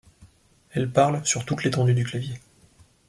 Elle parle sur toute l'étendue du clavier.